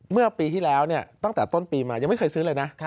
เมื่อปีที่แล้วตั้งแต่ต้นปีมายังไม่เคยซื้อเลยนะ